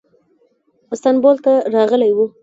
استانبول ته راغلی و.